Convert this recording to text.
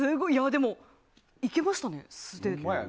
でも、いけましたね、素手で。